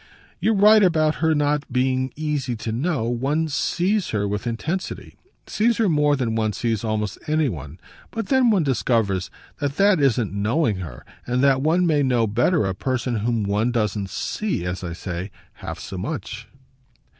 "You're right about her not being easy to know. One SEES her with intensity sees her more than one sees almost any one; but then one discovers that that isn't knowing her and that one may know better a person whom one doesn't 'see,' as I say, half so much."